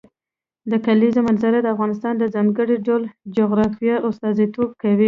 د کلیزو منظره د افغانستان د ځانګړي ډول جغرافیه استازیتوب کوي.